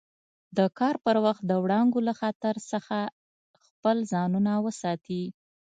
د کار پر وخت د وړانګو له خطر څخه خپل ځانونه وساتي.